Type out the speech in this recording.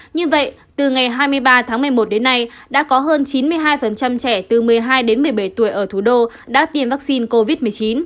như vậy từ ngày hai mươi ba tháng một mươi một đến nay đã có hơn chín mươi hai trẻ từ một mươi hai đến một mươi bảy tuổi ở thủ đô đã tiêm vaccine covid một mươi chín